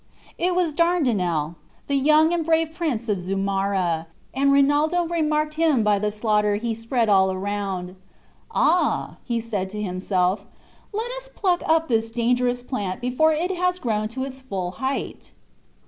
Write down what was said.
It was Dardinel, the young and brave prince of Zumara, and Rinaldo remarked him by the slaughter he spread all around. "Ah," said he to himself, "let us pluck up this dangerous plant before it has grown to its full height."